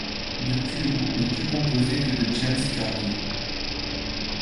Depuis le groupe n'est plus composé que de James Cargill.